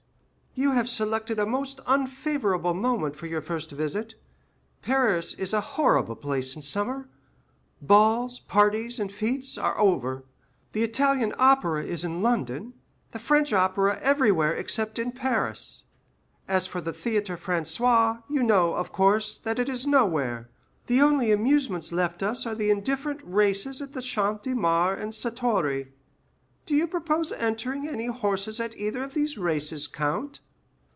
"You have selected a most unfavorable moment for your first visit. Paris is a horrible place in summer. Balls, parties, and fêtes are over; the Italian opera is in London; the French opera everywhere except in Paris. As for the Théatre Français, you know, of course, that it is nowhere. The only amusements left us are the indifferent races at the Champ de Mars and Satory. Do you propose entering any horses at either of these races, count?"